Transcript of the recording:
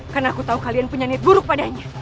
karena aku tahu kalian punya niat buruk padanya